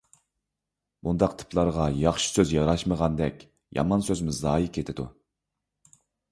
بۇنداق تىپلارغا ياخشى سۆز ياراشمىغاندەك، يامان سۆزمۇ زايە كېتىدۇ.